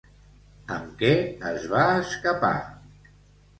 Amb què es va escapar?